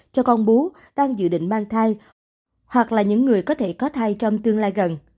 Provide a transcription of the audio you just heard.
cho con bú đang dự định mang thai hoặc là những người có thể có thai trong tương lai gần